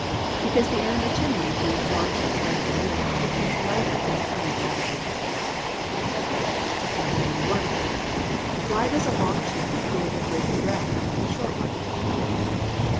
_ Because the air in the chimney, being warmed by the fire beneath, becomes lighter and ascends rapidly. 681. _Why does a long chimney create a greater draught than a short one?